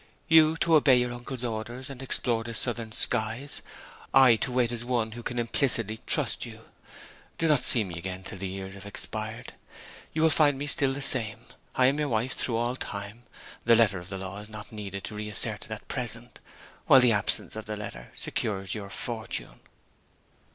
'You to obey your uncle's orders and explore the southern skies; I to wait as one who can implicitly trust you. Do not see me again till the years have expired. You will find me still the same. I am your wife through all time; the letter of the law is not needed to reassert it at present; while the absence of the letter secures your fortune.'